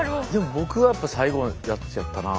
僕はやっぱ最後のやつやったなあ。